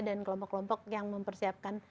dan kelompok kelompok yang mempersiapkan